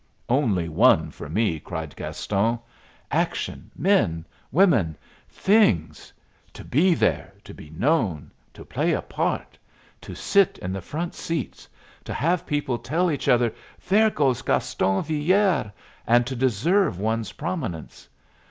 "Only one for me!" cried Gaston. "Action, men, women, things to be there, to be known, to play a part, to sit in the front seats; to have people tell each other, 'There goes Gaston Villere!' and to deserve one's prominence.